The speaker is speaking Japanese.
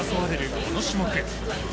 この種目。